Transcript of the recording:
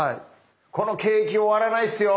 この景気終わらないっすよ。